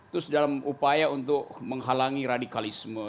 terus dalam upaya untuk menghalangi radikalisme